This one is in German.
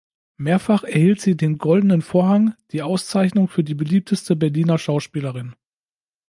Mehrfach erhielt sie den "Goldenen Vorhang", die Auszeichnung für die beliebteste Berliner Schauspielerin.